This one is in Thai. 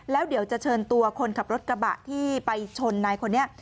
แล้วเดี๋ยวจะเชิญตัวคนขับรถกระบะที่ไปชนนายคนนี้